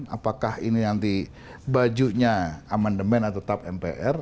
apakah ini nanti bajunya amendement atau tetap mpr